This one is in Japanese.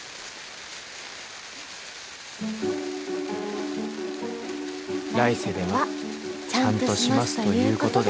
２人：来世ではちゃんとしますということで